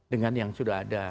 dengan yang sudah ada